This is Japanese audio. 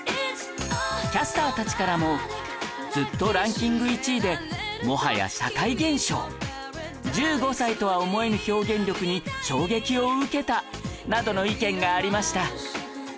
キャスターたちからも「ずっとランキング１位でもはや社会現象」「１５歳とは思えぬ表現力に衝撃を受けた」などの意見がありました